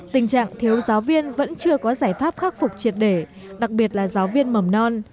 tình trạng thiếu giáo viên vẫn chưa có giải pháp khắc phục triệt để đặc biệt là giáo viên mầm non